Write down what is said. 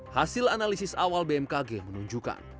hasil analisis awal bmkg menunjukkan